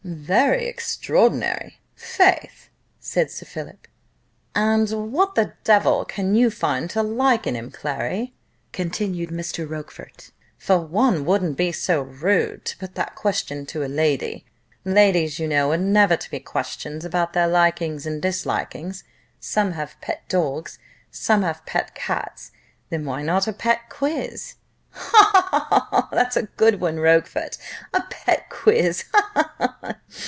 "Very extraordinary, faith," said Sir Philip. "And what the devil can you find to like in him, Clary?" continued Mr. Rochfort, "for one wouldn't be so rude to put that question to a lady. Ladies, you know, are never to be questioned about their likings and dislikings. Some have pet dogs, some have pet cats: then why not a pet quiz?" "Ha! ha! ha! that's a good one, Rochfort a pet quiz! Ha! ha! ha!